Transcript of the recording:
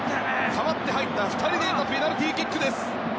代わって入った２人で得たペナルティーキックです。